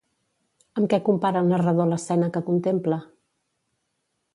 Amb què compara el narrador l'escena que contempla?